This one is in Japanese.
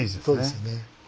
そうですよね